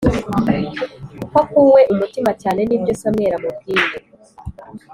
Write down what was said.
kuko akuwe umutima cyane n’ibyo samweli amubwiye